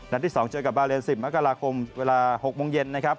นัดที่สองเจอกับบาเลนส์๑๐มกราคม๖โมงเย็น